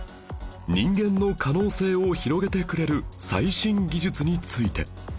人間の可能性を広げてくれる最新技術について